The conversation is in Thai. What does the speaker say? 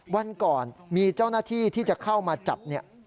วันก่อนมีเจ้าหน้าที่ที่จะเข้ามาจับเนี่ย